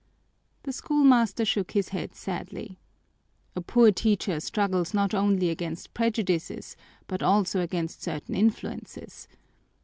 The schoolmaster shook his head sadly. "A poor teacher struggles not only against prejudices but also against certain influences.